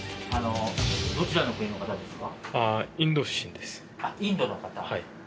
どちらの国の方ですか？